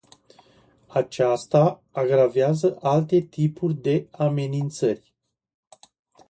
Aceasta agravează alte tipuri de amenințări.